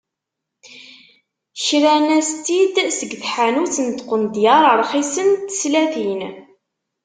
Kran-as-tt-id seg tḥanut n tqendyar rxisen n teslatin.